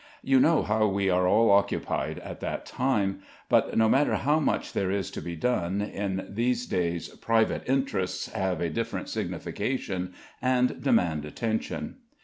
You know how we are all occupied at that time; but no matter how much there is to be done, in these days "private interests" have a different signification, and demand attention.